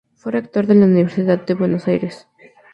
Fue rector de la Universidad de Buenos Aires.